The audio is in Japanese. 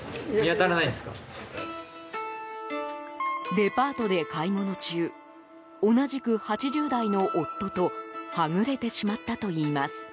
デパートで買い物中同じく８０代の夫とはぐれてしまったといいます。